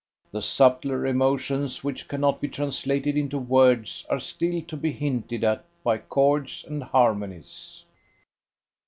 The subtler emotions which cannot be translated into words are still to be hinted at by chords and harmonies."